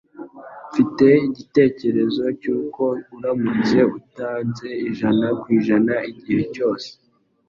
Mfite igitekerezo cy'uko uramutse utanze ijana kw ijana igihe cyose,